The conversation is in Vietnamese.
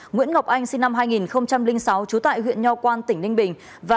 nguyễn ngọc anh sinh năm hai nghìn sáu trú tại huyện nho quan tỉnh ninh bình